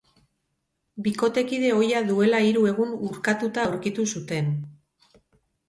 Bikotekide ohia duela hiru egun urkatuta aurkitu zuten.